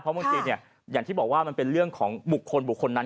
เพราะบางทีอย่างที่บอกว่ามันเป็นเรื่องของบุคคลนั้น